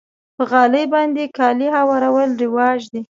په غالۍ باندې کالي هوارول رواج دی.